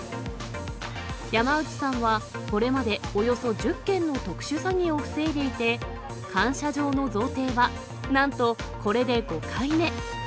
山内さんはこれまで、およそ１０件の特殊詐欺を防いでいて、感謝状の贈呈は、なんとこれで５回目。